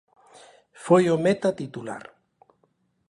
Foi o meta titular.